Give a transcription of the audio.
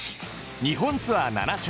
日本ツアー７勝